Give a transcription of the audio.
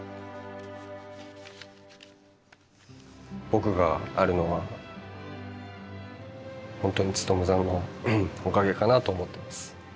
僕があるのは本当に努さんのおかげかなと思ってます。